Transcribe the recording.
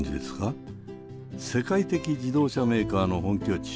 世界的自動車メーカーの本拠地